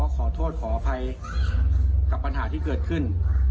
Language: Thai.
ขอโทษขออภัยกับปัญหาที่เกิดขึ้น